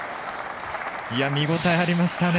見応えありましたね。